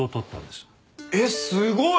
えっすごい！